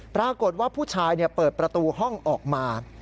ปรากฏว่าผู้ชายเปิดประตูห้องออกมา